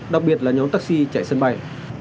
đặc biệt là nhóm taxi chạy sân bay